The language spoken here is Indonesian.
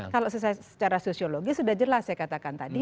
kalau secara sosiologis sudah jelas saya katakan tadi